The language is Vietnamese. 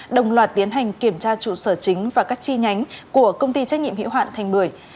đồng loạt tiến hành kiểm tra trụ sở chính và các chi nhánh của công ty trách nhiệm hiệu hoạn thành bưởi